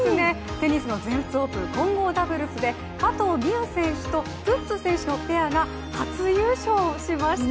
テニスの全仏オープン混合ダブルスで加藤未唯選手とプッツ選手のペアが初優勝しました！